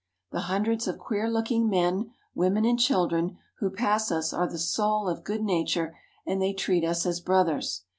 The hundreds of queer looking men, women, and children who pass us are the soul of good na ture, and they treat us as brothers.